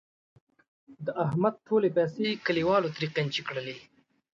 د احمد ټولې پیسې کلیوالو ترې قېنچي کړلې.